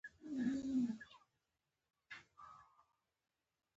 په نړیوالو چېنلونو کې خبري سرویسونه.